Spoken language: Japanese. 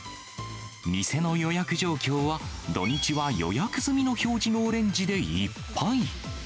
店の予約状況は、土日は予約済みの表示のオレンジでいっぱい。